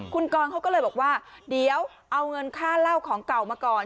คุณกรเขาก็เลยบอกว่าเดี๋ยวเอาเงินค่าเหล้าของเก่ามาก่อน